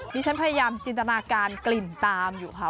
ฉันพยายามจินตนาการกลิ่นตามอยู่ค่ะ